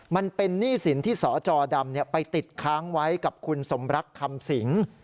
มันเป็นหนี้สินที่สจดำไปติดค้างไว้กับคุณสมรักคำสิง